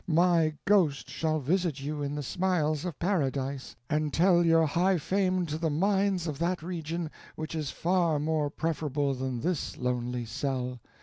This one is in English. My ghost shall visit you in the smiles of Paradise, and tell your high fame to the minds of that region, which is far more preferable than this lonely cell.